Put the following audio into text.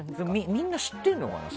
みんな知ってるのかな？